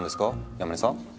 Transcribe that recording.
山根さん？